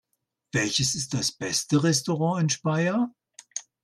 Welches ist das beste Restaurant in Speyer?